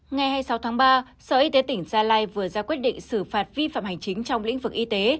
ngày hai mươi sáu tháng ba sở y tế tỉnh gia lai vừa ra quyết định xử phạt vi phạm hành chính trong lĩnh vực y tế